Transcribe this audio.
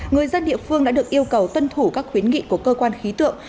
người dân địa phương đã được yêu cầu tuân thủ các khuyến nghị của cơ quan khí tượng